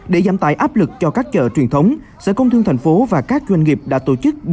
để giảm tài áp lực cho các chợ truyền thống sở công thương thành phố và các doanh nghiệp đã tổ chức